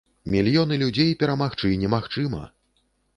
Мільёны людзей перамагчы немагчыма!